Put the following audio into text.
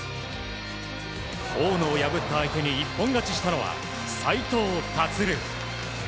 大野を破った相手に一本勝ちしたのは斉藤立。